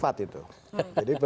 oh tidak ya